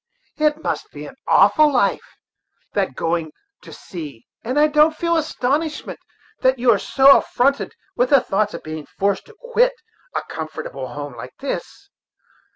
"It must be an awful life, that going to sea! and I don't feel astonishment that you are so affronted with the thoughts, of being forced to quit a comfortable home like this.